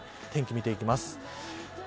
天気を見ていきます。